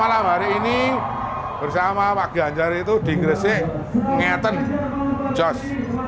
acara malam hari ini bersama pak ganjar itu di gerasik ngeten jas